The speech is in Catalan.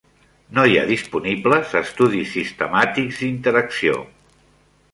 No hi ha disponibles estudis sistemàtics d'interacció.